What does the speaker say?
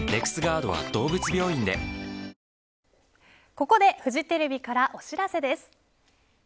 ここでフジテレビからお知らせです。